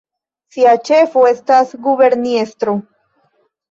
Sia ĉefo estas guberniestro.